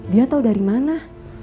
dia tahu dari mana